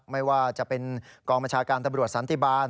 ไม่ว่าจะเป็นกองบัญชาการตำรวจสันติบาล